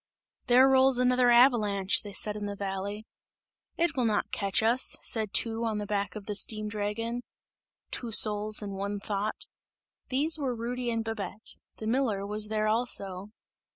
"There rolls another avalanche!" they said in the valley. "It will not catch us!" said two on the back of the steam dragon; "two souls and one thought" these were Rudy and Babette; the miller was there also.